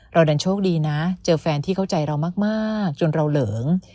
ดันโชคดีนะเจอแฟนที่เข้าใจเรามากจนเราเหลิง